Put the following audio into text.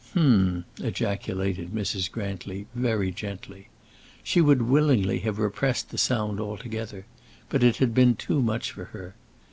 "H m," ejaculated Mrs. Grantly, very gently. She would willingly have repressed the sound altogether, but it had been too much for her.